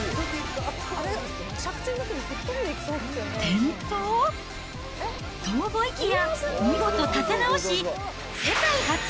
転倒？と思いきや、見事立て直し、世界初！